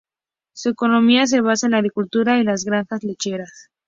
Su economía se basa en la agricultura y las granjas lecheras.